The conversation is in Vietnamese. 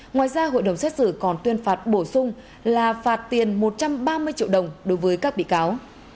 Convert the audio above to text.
ngoài ra hội đồng xét xử còn tuyên phạt bổ sung là phạt tiền một trăm ba mươi triệu đồng đối với các bị cáo